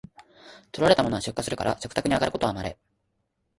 採れたものは出荷するから食卓にあがることはまれ